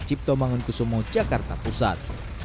cipto mangun kusumo jakarta pusat